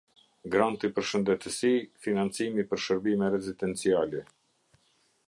Granti për Shëndetësi Financimi për Shërbime Rezidenciale.